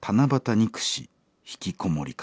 憎しひきこもりかな』」。